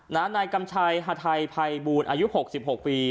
นายกำชัยฮาไทยภัยบูรณ์อายุ๖๖ปี